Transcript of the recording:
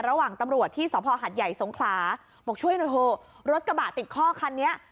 ระหว่างตำรวจที่สภหัดใหญ่สงขลาบอกช่วยหน่อยเถอะรถกระบะติดข้อคันนี้